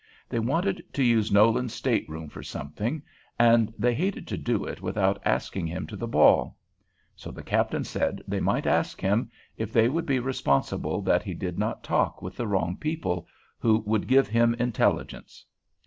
They wanted to use Nolan's state room for something, and they hated to do it without asking him to the ball; so the captain said they might ask him, if they would be responsible that he did not talk with the wrong people, "who would give him intelligence."